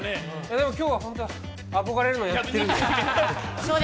でも今日は憧れるのをやめてるんで。